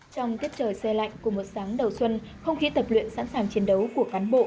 trong tiết trời xe lạnh cùng một sáng đầu xuân không khí tập luyện sẵn sàng chiến đấu của cán bộ